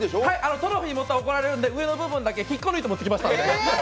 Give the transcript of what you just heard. トロフィー持ったら怒られるんで、上野部分だけ引っこ抜いて持ってきました。